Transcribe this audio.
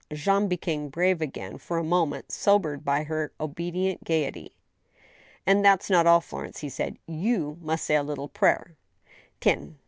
Jean became grave again, for a moment sobered by her obedient gayety. " And that's not all, Florence," he said. " You must say a little prayer — Hens